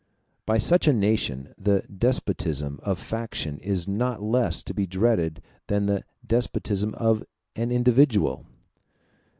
By such a nation the despotism of faction is not less to be dreaded than the despotism of an individual.